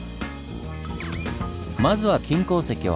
まずは金鉱石を運んだ